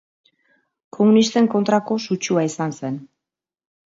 Komunisten kontrako sutsua izan zen.